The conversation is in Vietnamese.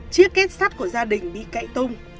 chiếc kết sắt của gia đình bị cậy tung